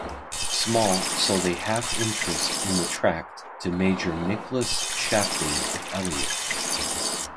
Small sold a half interest in the tract to Major Nicholas Shapleigh of Eliot.